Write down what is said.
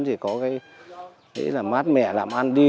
thì có cái nghĩ là mát mẻ làm ăn đi